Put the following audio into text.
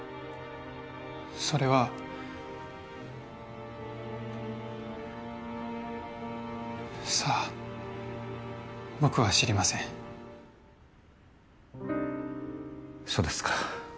それはさあ僕は知りませんそうですか